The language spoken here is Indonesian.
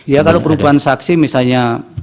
ya kalau perubahan saksi misalnya